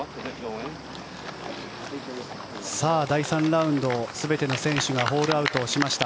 第３ラウンド、全ての選手がホールアウトをしました。